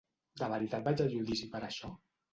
De veritat vaig a judici per això?